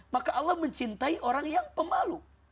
maka allah mencintai orang yang pemalu